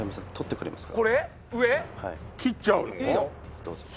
どうぞ。